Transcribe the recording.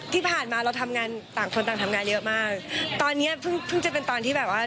ที่ผ่านมาเราทำงานต่างคนต่างทำงานเยอะมากตอนเนี้ยเพิ่งเพิ่งจะเป็นตอนที่แบบว่า